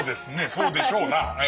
そうでしょうなええ。